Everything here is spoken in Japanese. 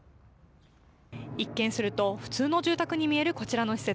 一見すると、普通の住宅に見えるこちらの施設。